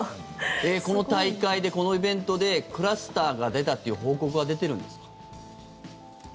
この大会でこのイベントでクラスターが出たという報告は出ているんですか？